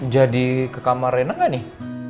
jadi ke kamar reyna gak nih